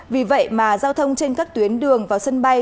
vì vậy mà giao thông trên các tuyến đường vào sân bay